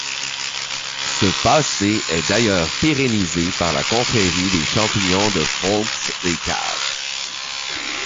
Ce passé est d’ailleurs pérennisé par la confrérie des champignons de Folx-les-Caves.